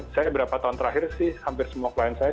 saya berapa tahun terakhir sih hampir semua klien saya